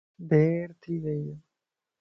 ديرٿي ويئي